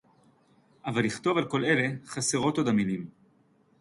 אבל לכתוב על כל אלה – חסרות עוד המלים